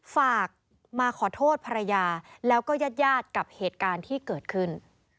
ฝากมาขอโทษภรรยาแล้วก็ญาติกับเหตุการณ์ที่เกิดขึ้น